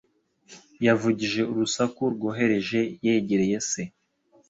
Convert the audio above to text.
Yavugije urusaku rworoheje, yegereye se.